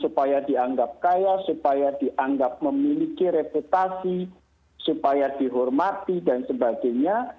supaya dianggap kaya supaya dianggap memiliki reputasi supaya dihormati dan sebagainya